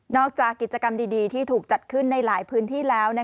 จากกิจกรรมดีที่ถูกจัดขึ้นในหลายพื้นที่แล้ว